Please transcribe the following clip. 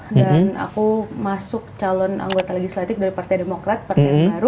dan aku masuk calon anggota legislatif dari partai demokrat partai yang baru